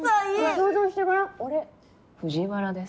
想像してごらん「俺藤原です」。